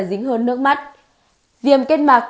dính hơn nước mắt viêm kết mạc